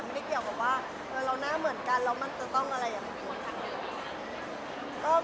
ไม่เกี่ยวกับว่าเราหน้าเหมือนกันแล้วมันจะต้องอะไรอย่างนี้